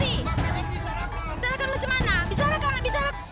bisa rakan bisa rakan